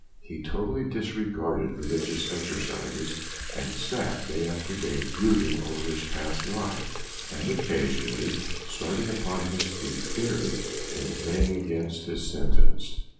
He totally disregarded religious exercises, and sat day after day brooding over his past life, and occasionally starting upon his feet, bitterly inveighing against his sentence.